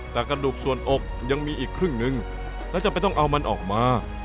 แต่กระดูกส่วนอกยังมีอีกครึ่งนึงแล้วจำเป็นต้องเอามันออกมา